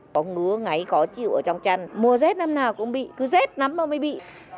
có ngứa ngáy khó chịu ở trong chân mùa rét năm nào cũng bị cứ rét nắm nó mới bị